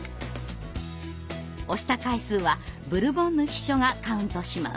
押した回数はブルボンヌ秘書がカウントします。